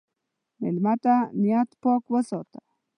مېلمه ته نیت پاک وساته.